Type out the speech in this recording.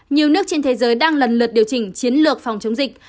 nhiều nước trên thế giới đang lần lượt điều chỉnh chiến lược phòng chống dịch